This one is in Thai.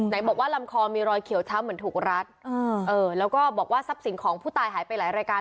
บอกว่าลำคอมีรอยเขียวช้ำเหมือนถูกรัดแล้วก็บอกว่าทรัพย์สินของผู้ตายหายไปหลายรายการ